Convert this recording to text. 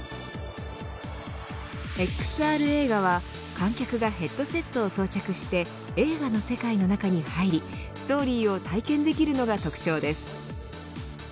ＸＲ映画は観客がヘッドセットを装着して映画の世界の中に入りストーリーを体験できるのが特徴です。